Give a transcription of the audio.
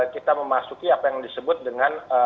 kita memasuki apa yang disebut dengan